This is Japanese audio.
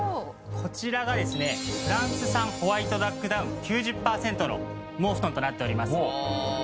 こちらがですねフランス産ホワイトダックダウン９０パーセントの羽毛布団となっております。